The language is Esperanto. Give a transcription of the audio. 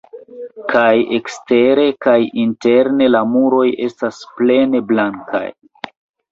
Kaj ekstere kaj interne la muroj estas plene blankaj.